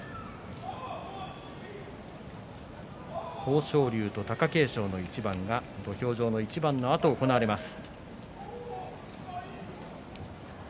豊昇龍と貴景勝の一番が土俵上の一番のあと行われます。